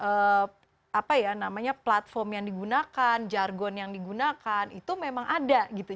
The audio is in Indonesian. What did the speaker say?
apa ya namanya platform yang digunakan jargon yang digunakan itu memang ada gitu